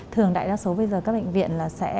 thường đại đa số bây giờ các bệnh viện